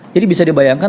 jadi bisa dibayangkan